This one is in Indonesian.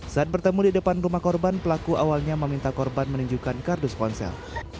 saat bertemu di depan rumah korban pelaku awalnya meminta korban menunjukkan kardus ponsel